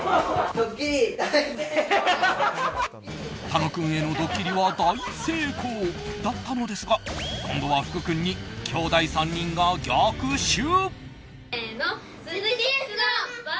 楽君へのドッキリは大成功だったのですが今度は福君にきょうだい３人が逆襲！